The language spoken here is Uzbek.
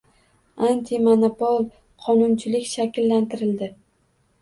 Antimonopol qonunchilik shakllantirildi